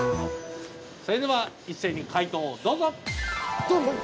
それでは一斉に解答をどうぞ！